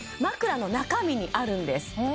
枕の中身にあるんです